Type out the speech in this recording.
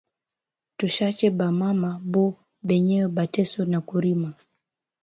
Tushache ba mama bo benyewe bateswe na kurima